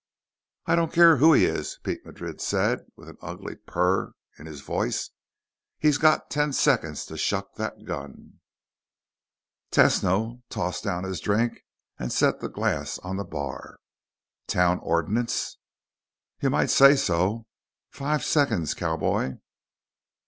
"I don't care who he is," Pete Madrid said with an ugly purr in his voice. "He's got ten seconds to shuck that gun." Tesno tossed down his drink and set the glass on the bar. "Town ordinance?" "You might say so. Five seconds, cowboy."